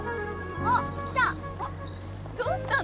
あっ来た！